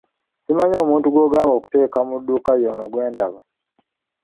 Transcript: Simanyi omuntu gw'ogamba okuteeka mu dduuka y'ono gwendaba?